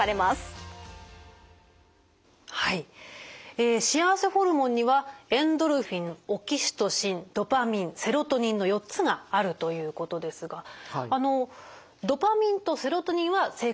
え幸せホルモンにはエンドルフィンオキシトシンドパミンセロトニンの４つがあるということですがあのドパミンとセロトニンは正確にはホルモンではないということですね？